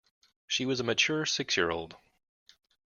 She was a mature six-year-old.